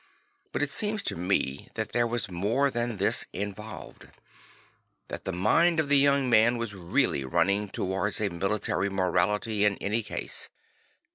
But it seems to me that there was more than this involved; that the mind of the young man was really running towards a military morality in any case.